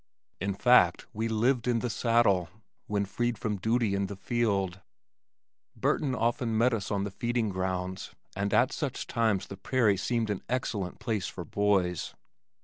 In fact we lived in the saddle, when freed from duty in the field. Burton often met us on the feeding grounds, and at such times the prairie seemed an excellent place for boys.